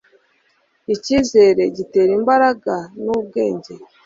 ikizere, gitera imbaraga n' ubwenge